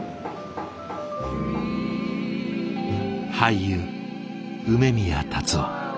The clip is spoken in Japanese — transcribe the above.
俳優梅宮辰夫。